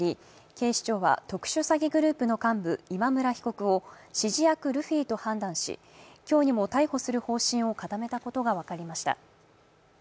警視庁は、特殊詐欺グループの幹部・今村被告を指示役・ルフィと判断し今日にも逮捕する方針を固めたことが分かりました。